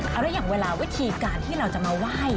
เอาแล้วอย่างเวลาวิธีการที่เราจะมาไหว้